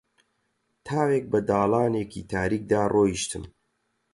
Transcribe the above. تاوێک بە داڵانێکی تاریکدا ڕۆیشتم